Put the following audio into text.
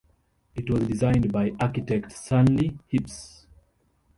It was designed by architect Stanley Heaps.